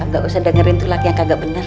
gak usah dengerin tuh laki yang kagak bener